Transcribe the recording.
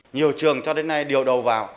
nhiều trường cho đến nay điều đầu vào